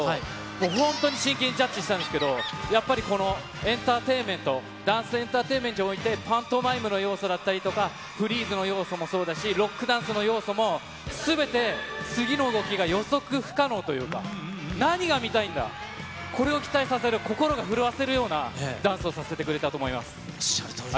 もう本当に真剣にジャッジしたんですけど、やっぱりこのエンターテインメント、ダンスエンターテインメントにおいて、パントマイムの要素だったり、フリーズの要素もそうだし、ロックダンスの要素も、すべて次の動きが予測不可能というか、何が見たいんだ、これを期待させる、心を震わせるようなダンスをおっしゃるとおりですね。